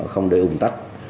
không để ung tắc